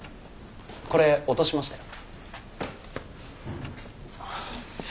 これ落としましたよ。